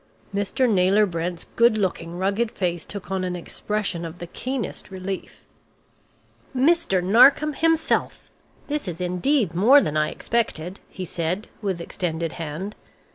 Mr. Naylor Brent's good looking, rugged face took on an expression of the keenest relief. "Mr. Narkom himself! This is indeed more than I expected!" he said with extended hand.